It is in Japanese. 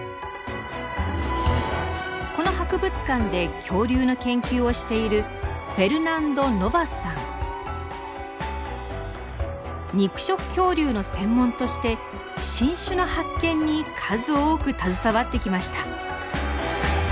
この博物館で恐竜の研究をしている肉食恐竜の専門として新種の発見に数多く携わってきました。